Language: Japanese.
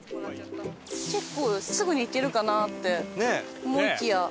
結構すぐに行けるかなって思いきや。